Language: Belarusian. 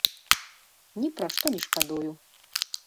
Ні пра што не шкадую.